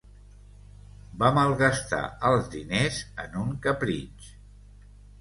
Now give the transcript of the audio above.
Va malgastar els diners en un capritx.